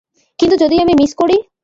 কিন্তু, যদি আমি মিস করি?